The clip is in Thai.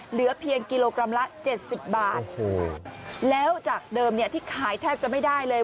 เหลือเพียงกิโลกรัมละเจ็ดสิบบาทโอ้โหแล้วจากเดิมเนี่ยที่ขายแทบจะไม่ได้เลย